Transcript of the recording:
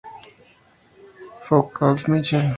Foucault, Michel.